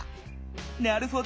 なるほど。